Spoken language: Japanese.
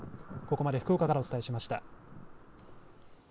ここまで福岡からお伝えしました。